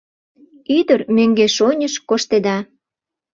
Ӱдыр мӧҥгеш-оньыш коштеда.